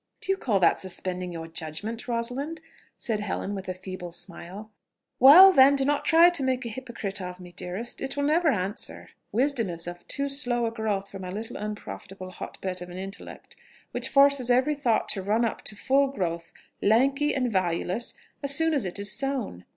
"Do you call that suspending your judgment, Rosalind?" said Helen with a feeble smile. "Well, then, do not try to make a hypocrite of me, dearest: it will never answer: Wisdom is of too slow a growth for my little unprofitable hotbed of an intellect, which forces every thought to run up to full growth, lanky and valueless, as soon as it is sown.